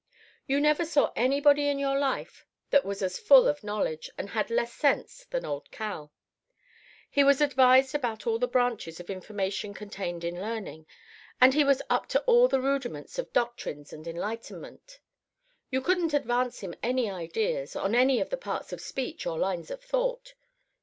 "You never saw anybody in your life that was as full of knowledge and had less sense than old Cal. He was advised about all the branches of information contained in learning, and he was up to all the rudiments of doctrines and enlightenment. You couldn't advance him any ideas on any of the parts of speech or lines of thought.